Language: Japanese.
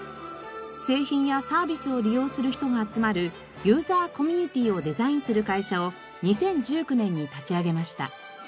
製品やサービスを利用する人が集まるユーザーコミュニティをデザインする会社を２０１９年に立ち上げました。